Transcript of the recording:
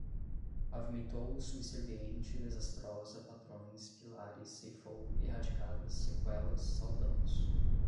Pavimentou, subserviente, desastrosa, patrões, pilares, ceifou, erradicadas, sequelas, saudamos